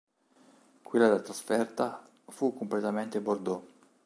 Quella da trasferta fu completamente bordeaux.